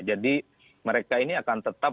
jadi mereka ini akan tetap